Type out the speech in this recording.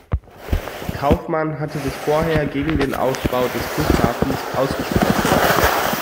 Kaufmann hatte sich vorher gegen den Ausbau des Flughafens ausgesprochen.